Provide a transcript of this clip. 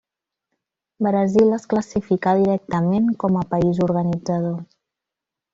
Brasil es classificà directament com a país organitzador.